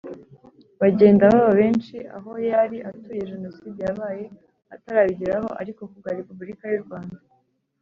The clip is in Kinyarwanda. Bagenda baba benshi aho yari atuye jenoside yabaye atarabigeraho ariko ku bwa repubulika y u rwanda